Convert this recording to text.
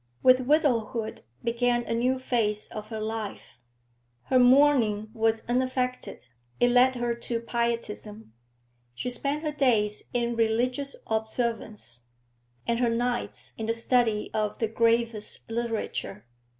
With widowhood began a new phase of her life. Her mourning was unaffected; it led her to pietism; she spent her days in religious observance, and her nights in the study of the gravest literature.